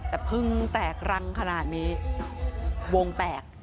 แต่เพิ่งแตกรังขนาดนี้วงแตก